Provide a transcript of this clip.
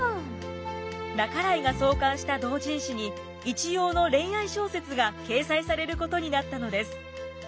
半井が創刊した同人誌に一葉の恋愛小説が掲載されることになったのです。